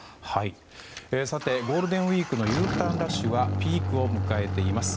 さてゴールデンウィークのＵターンラッシュはピークを迎えています。